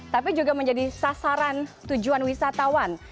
tapi juga menjadi sasaran tujuan wisatawan